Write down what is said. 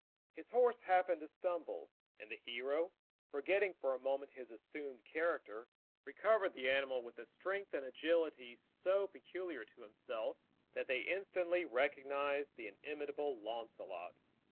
His horse happened to stumble, and the hero, forgetting for a moment his assumed character, recovered the animal with a strength and agility so peculiar to himself, that they instantly recognized the inimitable Launcelot.